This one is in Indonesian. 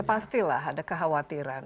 ya pastilah ada kekhawatiran